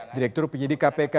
direktur penyidik kpk